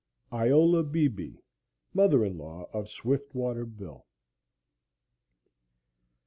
IOLA BEEBE, Mother in law of Swiftwater Bill.